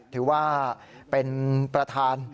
ถือว่าเป็นประธาน